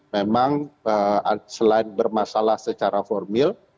memang selain bermasalah secara formil